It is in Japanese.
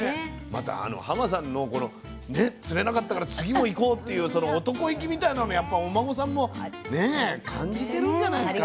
またあのさんのこのね釣れなかったから次も行こうっていうその男意気みたいなのやっぱお孫さんもね感じてるんじゃないですか。